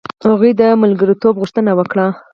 هغوی د ملګرتوب غوښتنه وکړه.